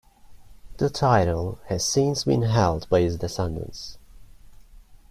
The title has since been held by his descendants.